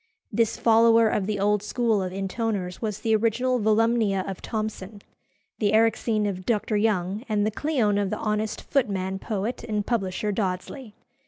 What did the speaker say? This follower of the old school of intoners was the original Volumnia of Thomson, the Erixene of Dr. Young, and the Cleone of the honest footman poet and publisher Dodsley.